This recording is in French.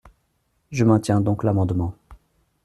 Je maintiens donc l’amendement.